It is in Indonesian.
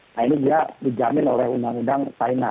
nah ini dia dijamin oleh undang undang china